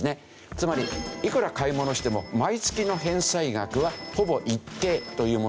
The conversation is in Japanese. つまりいくら買い物しても毎月の返済額はほぼ一定というものなんです。